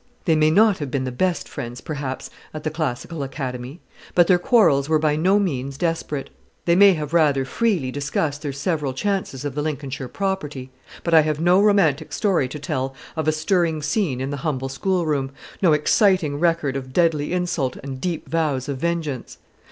They may not have been the best friends, perhaps, at the classical academy; but their quarrels were by no means desperate. They may have rather freely discussed their several chances of the Lincolnshire property; but I have no romantic story to tell of a stirring scene in the humble schoolroom no exciting record of deadly insult and deep vows of vengeance.